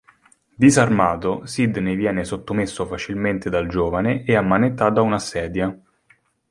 Disarmato, Sidney viene sottomesso facilmente dal giovane e ammanettato a una sedia.